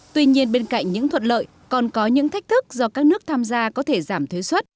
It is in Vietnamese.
tuy nhiên bên cạnh những thuận lợi còn có những thách thức do các nước tham gia có thể giảm thuế xuất